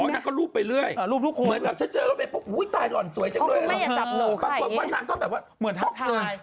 อ๋อนางก็รูปไปเรื่อย